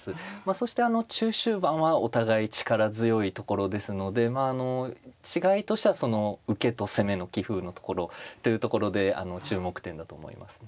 そしてあの中終盤はお互い力強いところですのでまああの違いとしてはその受けと攻めの棋風のところというところであの注目点だと思いますね。